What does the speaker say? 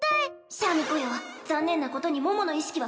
シャミ子よ残念なことに桃の意識は